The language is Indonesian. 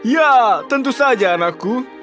ya tentu saja anakku